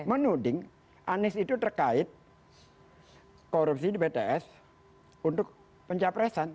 menuding anies itu terkait korupsi di bts untuk pencapresan